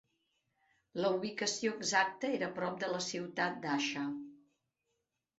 La ubicació exacta era prop de la ciutat d'Asha.